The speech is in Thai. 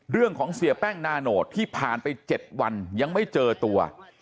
เรื่องของเสียแป้งนาโนทที่ผ่านไปเจ็ดวันยังไม่เจอตัว